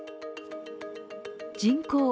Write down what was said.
人口